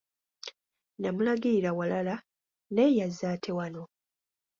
Namulagirira walala, naye yazze ate wano.